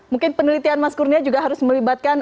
mungkin penelitian mas kurnia juga harus melibatkan